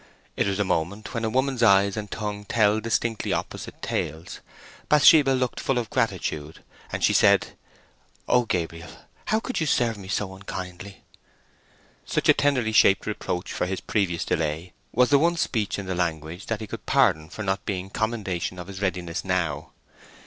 It was a moment when a woman's eyes and tongue tell distinctly opposite tales. Bathsheba looked full of gratitude, and she said:— "Oh, Gabriel, how could you serve me so unkindly!" Such a tenderly shaped reproach for his previous delay was the one speech in the language that he could pardon for not being commendation of his readiness now.